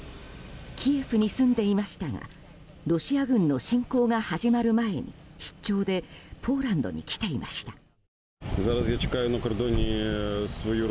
キエフに住んでいましたがロシア軍の侵攻が始まる前に出張でポーランドに来ていました。